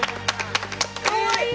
かわいい！